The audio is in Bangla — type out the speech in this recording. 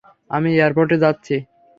আমি এয়ারপোর্টে যাচ্ছি।